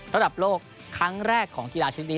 ระดับโลกครั้งแรกของกีฬาชิ้นนี้